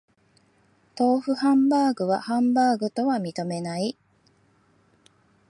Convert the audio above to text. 豆腐ハンバーグはハンバーグとは認めない